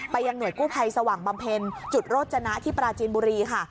ยังหน่วยกู้ภัยสว่างบำเพ็ญจุดโรจนะที่ปราจีนบุรีค่ะ